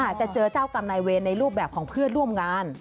อาจจะเจอเจ้ากรรมนายเวรในรูปแบบของเพื่อนร่วมงาน